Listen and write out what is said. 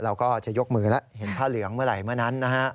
เราก็จะยกมือแล้วเห็นผ้าเหลืองเมื่อไหร่เมื่อนั้นนะฮะ